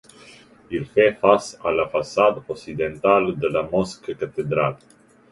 Il fait face à la façade occidentale de la mosquée-cathédrale.